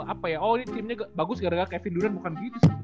apa ya oh ini timnya bagus gara gara kevin duran bukan gitu